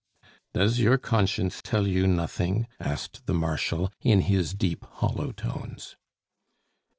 "Does your conscience tell you nothing?" asked the Marshal, in his deep, hollow tones.